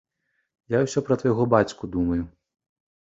Я ўсё пра твайго бацьку думаю.